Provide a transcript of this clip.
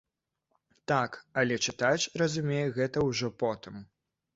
Так, але чытач разумее гэта ўжо потым.